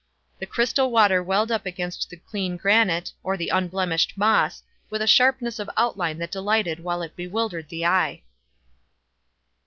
The crystal water welled up against the clean granite, or the unblemished moss, with a sharpness of outline that delighted while it bewildered the eye.